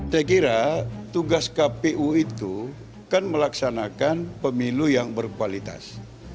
saya kira tugas kpu itu kan melaksanakan pemilu yang berkualitas